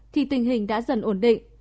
thì tình hình đã dần ổn định